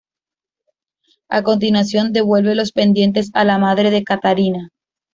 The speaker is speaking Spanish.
A continuación, devuelve los pendientes a la madre de Catharina.